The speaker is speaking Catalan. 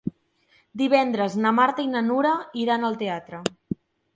Divendres na Marta i na Nura iran al teatre.